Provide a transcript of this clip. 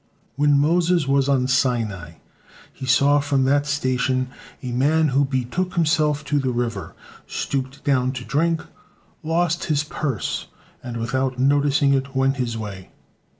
When Moses was on Sinai, he saw from that station a man who betook himself to a river, stooped down to drink, lost his purse, and without noticing it went his way.